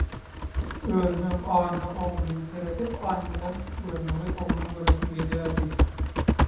özümem aýna ogryn serdip, aýnadan görmegeý oglany göresim gelýärdi...